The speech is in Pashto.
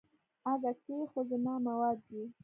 اگه کې خو زما مواد دي.